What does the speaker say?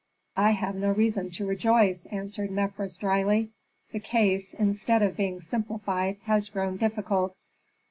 "I have no reason to rejoice," answered Mefres, dryly. "The case, instead of being simplified, has grown difficult.